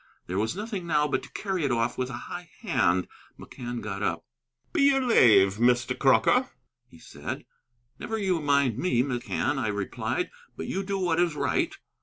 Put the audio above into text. There was nothing now but to carry it off with a high hand. McCann got up. "Be your lave, Mr. Crocker," he said. "Never you mind me, McCann," I replied, "but you do what is right."